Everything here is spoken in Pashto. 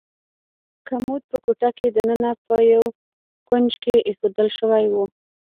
کمود په کوټه کې دننه په یو کونج کې ایښودل شوی و.